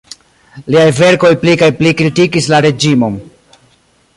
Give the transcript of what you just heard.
Liaj verkoj pli kaj pli kritikis la reĝimon.